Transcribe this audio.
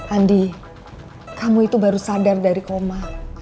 andi kamu itu baru sadar dari koma